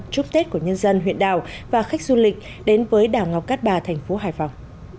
chúc tết của nhân dân huyện đảo và khách du lịch đến với đảo ngọc cát bà thành phố hải phòng